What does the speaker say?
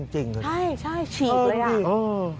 ใช่ใช่ฉีดเลยอ่ะ